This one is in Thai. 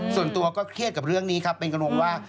ส่วนตัวก็เครียดกับเรื่องนี้ครับเป็นกังวลว่า